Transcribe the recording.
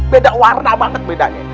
beda warna banget bedanya